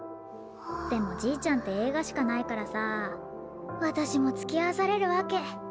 でもじいちゃんってえいがしかないからさわたしもつきあわされるわけ。